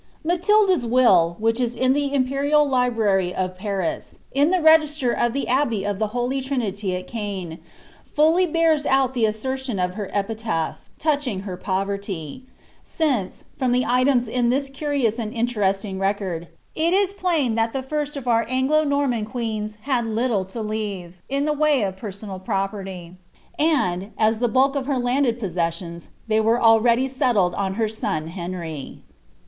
Matilda's will, which is in the imperial Library of Paris, in the rtft ler of the Abbey of the Holy Trinity of Cben,* fnlly bears ooi dw •aaertion of her epitaph, touching her poverty ; aince, from the items in this curious and inieresiing record, it is plain that the Grst of onr Angl'> Norman queens had little to leave, in the way of personal propmy; and, as to the bulk of her landed possessions, they were already settled on her son Henry.'